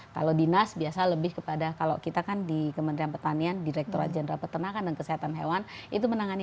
kalau dinas biasa lebih kepada kalau kita kan di kementerian pertanian direkturat jenderal peternakan dan kesehatan hewan itu menangani